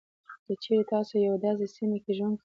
که چېري تاسو په یوه داسې سیمه کې ژوند کوئ.